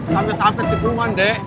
sampai sampai keburuan dek